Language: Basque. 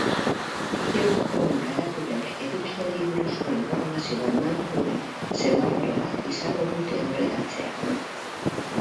Bideo-jokoen karatulek edukiari buruzko informazioa emango duen semaforo bat izango dute aurrerantzean.